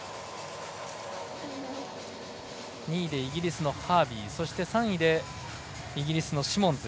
２位でイギリスのハービーそして３位でイギリスのシモンズ。